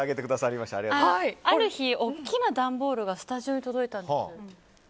ある日、大きな段ボールがスタジオに届いたんです。